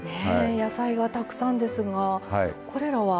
野菜がたくさんですがこれらは？